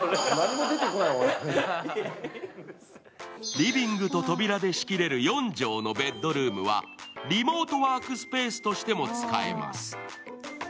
リビングと扉で仕切れる４畳みのベッドルームはリモートワークスペースとしても使えます。